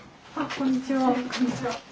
こんにちは。